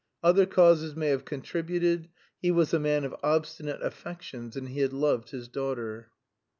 Other causes may have contributed; he was a man of obstinate affections, and he had loved his daughter.